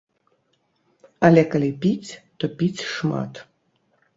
Але калі піць, то піць шмат.